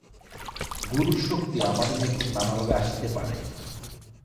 গুরুর শক্তি আমাদের নিকট নানাভাবে আসিতে পারে।